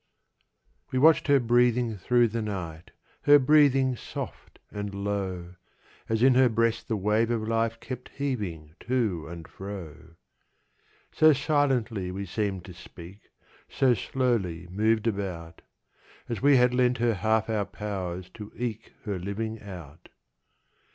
_ We watched her breathing through the night, Her breathing soft and low, As in her breast the wave of life Kept heaving to and fro. So silently we seemed to speak, 5 So slowly moved about, As we had lent her half our powers, To eke her living out.